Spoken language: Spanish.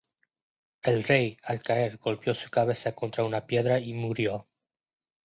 El rey, al caer, golpeo su cabeza contra una piedra y murió.